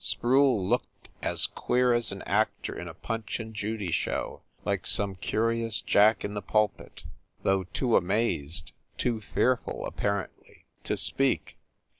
Sproule looked as queer as an actor in a Punch and Judy show, like some curious Jack in the pulpit, though too amazed, too fearful, apparently, to speak.